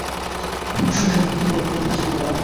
সুখের মুহূর্তগুলোকে পুনরুজ্জীবিত করা ভালো।